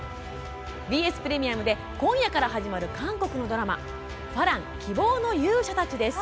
ＢＳプレミアムで今夜から始まる韓国のドラマ「花郎ファラン希望の勇者たち」です。